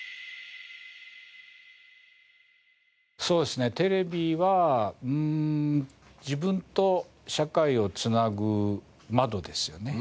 そうですねテレビはうーん自分と社会を繋ぐ窓ですよね。